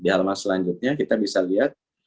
di halaman selanjutnya kita bisa lihat